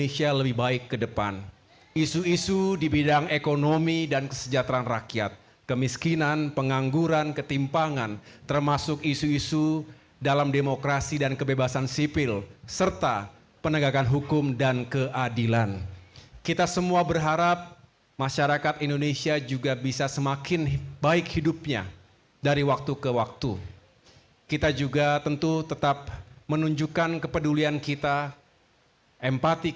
saya juga menyampaikan bahwa semoga kedatangan mas anies ini juga semakin mendekatkan beliau